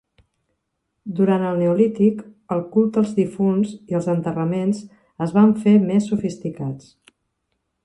Durant el neolític, el culte als difunts i els enterraments es van fer més sofisticats.